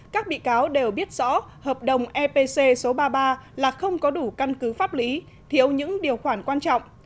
các bị cáo đều biết rõ hợp đồng epc số ba mươi ba là không có đủ căn cứ pháp lý thiếu những điều khoản quan trọng